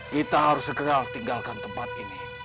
kita harus segera tinggalkan tempat ini